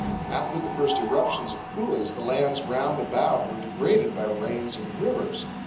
After the first eruptions of coulees the lands round about were degraded by rains and rivers.